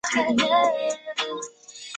详细入围名单将于颁奖典礼当天公布。